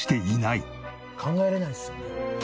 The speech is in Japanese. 考えられないですよね。